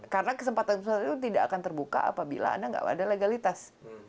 karena kesempatan itu tidak akan terbuka apabila nggak ada legalitas